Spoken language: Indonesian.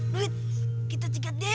wah duit kita cekat dia yuk